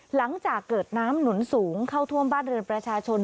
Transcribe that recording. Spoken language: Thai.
หลังจากเกิดน้ำหนุนสูงเข้าท่วมบ้านเรือนประชาชน